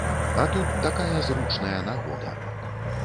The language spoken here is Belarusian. А тут такая зручная нагода.